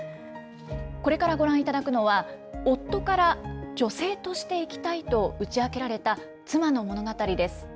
これからご覧いただくのは、夫から女性として生きたいと打ち明けられた妻の物語です。